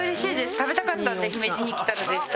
食べたかったんで姫路に来たら絶対。